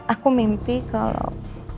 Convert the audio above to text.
aku mimpi kalau